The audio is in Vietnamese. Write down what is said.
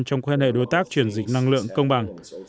trong quan hệ đối tác chuyển dịch năng lượng công bằng